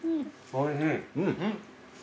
おいしい。